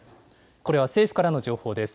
これは政府からの情報です。